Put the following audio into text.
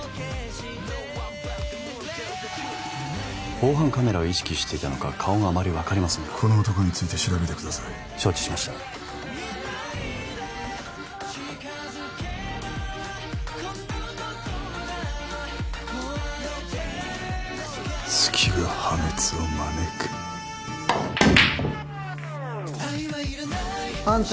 防犯カメラを意識していたのか顔があまり分かりませんがこの男について調べてください承知しました隙が破滅を招くあんた